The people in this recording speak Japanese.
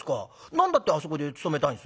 何だってあそこで勤めたいんです？」。